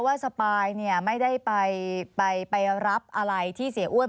สปายไม่ได้ไปรับอะไรที่เสียอ้วน